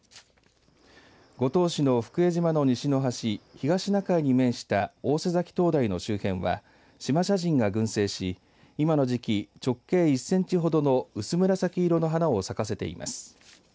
五島市の福江島の西の端東シナ海に面した大瀬崎灯台の周辺はシマシャジンが群生し今の時期、直径１センチほどの薄紫色の花を咲かせています。